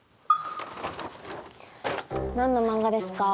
何の漫画ですか？